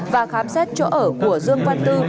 và khám xét chỗ ở của dương văn tư